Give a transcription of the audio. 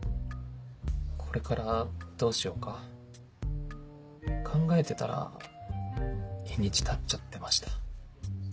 これからどうしようか考えてたら日にちたっちゃってました。